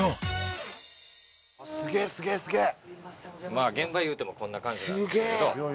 まあ現場いうてもこんな感じなんですけれど。